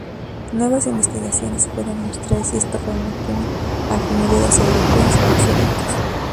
Nuevas investigaciones pueden mostrar si esta fauna tiene afinidades europeas o asiáticas.